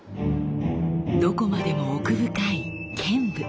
どこまでも奥深い剣舞。